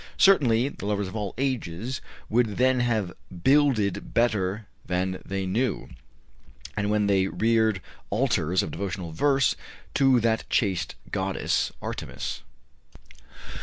Certainly the lovers of all ages would then have "builded better than they knew," when they reared altars of devotional verse to that chaste goddess Artemis.